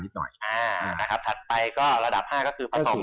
ตลาด๕ประสงค์ก็คือ